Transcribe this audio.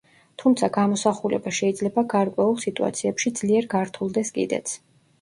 თუმცა გამოსახულება შეიძლება გარკვეულ სიტუაციებში ძლიერ გართულდეს კიდეც.